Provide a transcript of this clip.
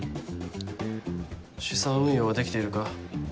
資産運用はできているか？